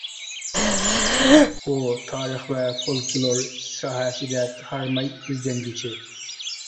ئۇ تارىخ ۋە فولكلور ساھەسىدە ھارماي ئىزدەنگۈچى.